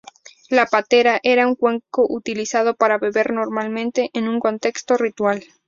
La patera era un cuenco utilizado para beber, normalmente en un contexto ritual.